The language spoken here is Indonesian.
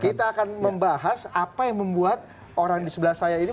kita akan membahas apa yang membuat orang di sebelah saya ini